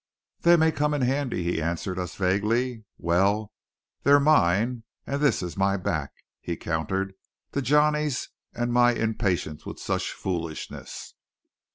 "They may come in handy," he answered us vaguely. "Well, they're mine, and this is my back," he countered to Johnny's and my impatience with such foolishness.